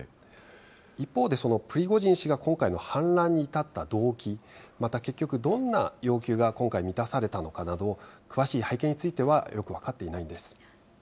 一方で、プリゴジン氏が反乱に至った動機、また、結局、どんな要求が今回、満たされたのかなど、詳しい背景についてはよく分かっていないんです。